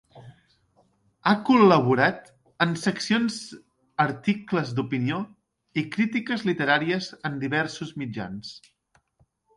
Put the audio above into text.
Ha col·laborat en seccions articles d'opinió i crítiques literàries en diversos mitjans.